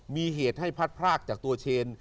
มีเหตุให้พัดพรากจากตัวเชน